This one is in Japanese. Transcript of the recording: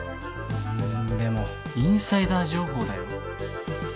うんでもインサイダー情報だよ。